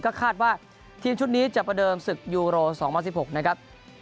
ก็คาดว่าทีมชุดนี้จะประเดิมศึกยูโร๒๐๑๖นะครับ